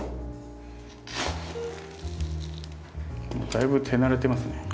だいぶ手慣れてますね。